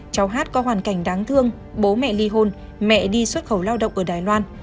cháu hát có hoàn cảnh đáng thương bố mẹ ly hôn mẹ đi xuất khẩu lao động ở đài loan